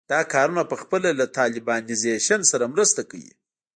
دا کارونه پخپله له طالبانیزېشن سره مرسته کوي.